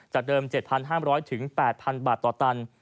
เดิม๗๕๐๐๘๐๐บาทต่อตัน